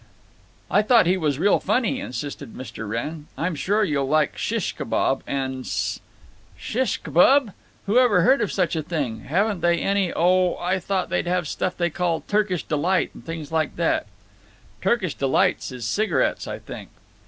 "I thought he was real funny," insisted Mr. Wrenn…. "I'm sure you'll like shish kebab and s—" "Shish kibub! Who ever heard of such a thing! Haven't they any—oh, I thought they'd have stuff they call 'Turkish Delight' and things like that." "'Turkish Delights' is cigarettes, I think."